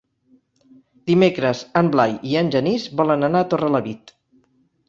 Dimecres en Blai i en Genís volen anar a Torrelavit.